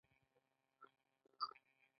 موږ کولای شو دا موضوع لا روښانه کړو.